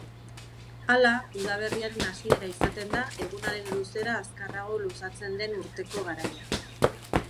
Hala, udaberriaren hasiera izaten da egunaren luzera azkarrago luzatzen den urteko garaia.